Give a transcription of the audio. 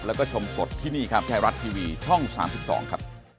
แล้วก็ชมสดที่นี่ครับไทยรัฐทีวีช่อง๓๒ครับ